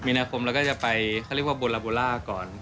มีนาคมเราก็จะไปเขาเรียกว่าโบลาโบล่าก่อน